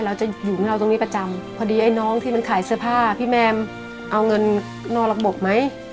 เราจะอยู่ของเราตรงนี้ประจำพอดีไอ้น้องที่มันขายเสื้อผ้าพี่แมมเอาเงินนอกระบบไหม